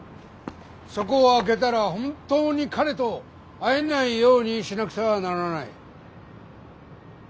そこを開けたら本当に彼と会えないようにしなくてはならない。